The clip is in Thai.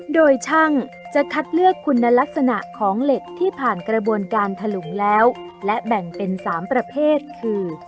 โดยช่างจะคัดเลือกคุณลักษณะของเหล็กที่ผ่านกระบวนการถลุงแล้วและแบ่งเป็น๓ประเภทคือ